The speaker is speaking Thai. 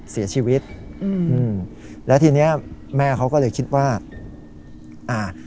เสียชีวิตอืมอืมแล้วทีเนี้ยแม่เขาก็เลยคิดว่าอ่า